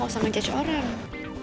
lo gak usah ngejudge orang